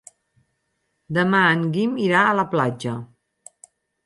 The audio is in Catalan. Demà en Guim irà a la platja.